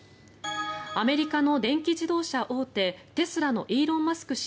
アメリカの電気自動車大手テスラのイーロン・マスク